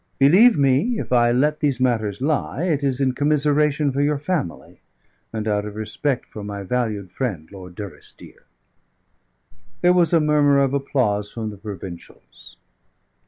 Believe me, if I let these matters lie, it is in commiseration for your family, and out of respect for my valued friend, Lord Durrisdeer." There was a murmur of applause from the provincials.